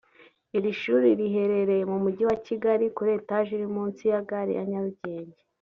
Iri shuri riherereye mu Mujyi wa Kigali kuri Etage iri munsi ya Gare ya Nyarugenge